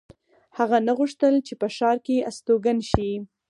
هغه نه غوښتل چې په ښار کې استوګن شي